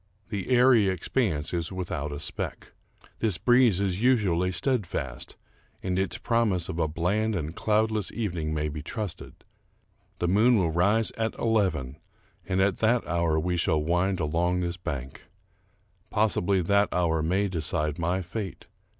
The airy expanse is without a speck. This breeze is usually steadfast, and its promise of a bland and cloudless evening may be trusted. The moon will rise at eleven, and at that hour we shall wind along this bank. Possibly that hour may decide my fate.